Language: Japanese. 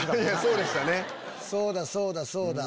そうだそうだそうだ。